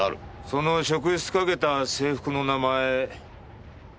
その職質かけた制服の名前。